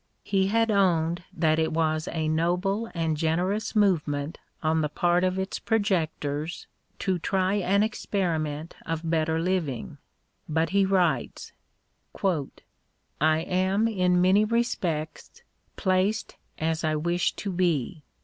He had owned that it was a noble and generous movement on the part of its projectors to try an experiment of better living, but he vsrrites : I am in many respects placed as I wish to be.